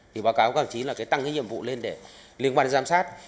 thì báo cáo cả chính là tăng cái nhiệm vụ lên để liên quan đến giám sát